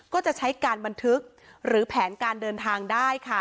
ก็จะใช้การบันทึกหรือแผนการเดินทางได้ค่ะ